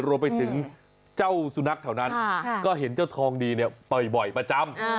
รวมไปถึงเจ้าสุนัขแถวนั้นก็เห็นเจ้าทองดีบ่อยประจำ